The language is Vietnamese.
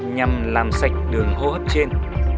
nhằm làm sạch đường hô hấp trên